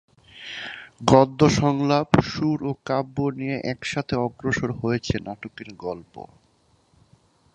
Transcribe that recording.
গদ্য সংলাপ, সুর ও কাব্য নিয়ে একসাথে অগ্রসর হয়েছে নাটকের গল্প।